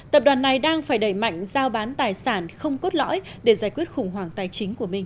tập đoàn này đang phải đẩy mạnh giao bán tài sản không cốt lõi để giải quyết khủng hoảng tài chính của mình